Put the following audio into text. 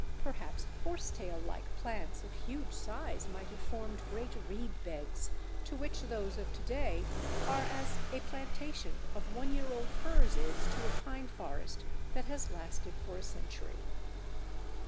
Perhaps horsetail like plants of huge size might have formed great reed beds to which those of to day are as a plantation of one year old firs is to a pine forest that has lasted for a century.